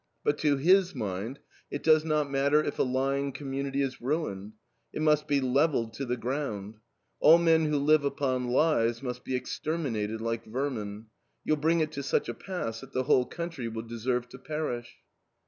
But to his mind "it does not matter if a lying community is ruined. It must be levelled to the ground. All men who live upon lies must be exterminated like vermin. You'll bring it to such a pass that the whole country will deserve to perish."